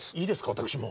私も。